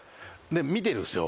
見てるんですよ。